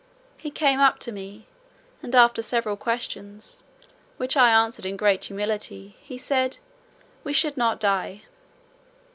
He came up to me, and after several questions, which I answered in great humility, he said, "we should not die."